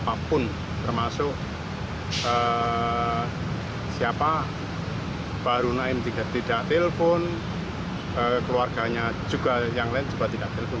apapun termasuk siapa baru naim tidak telpon keluarganya juga yang lain juga tidak telpon